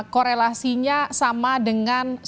korelasinya sama dengan